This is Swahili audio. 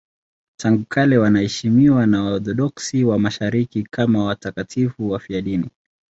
Tangu kale wanaheshimiwa na Waorthodoksi wa Mashariki kama watakatifu wafiadini.